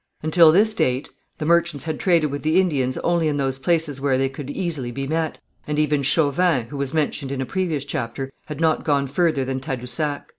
Until this date the merchants had traded with the Indians only in those places where they could easily be met, and even Chauvin, who was mentioned in a previous chapter, had not gone further than Tadousac.